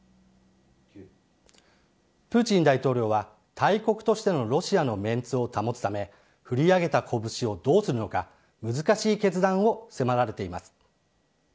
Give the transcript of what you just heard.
プーチン大統領は、大国としてのロシアのメンツを保つため、振り上げた拳をどうするのか、難しい決断を迫られています。